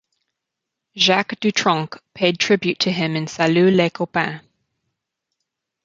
Jacques Dutronc paid tribute to him in "Salut les copains".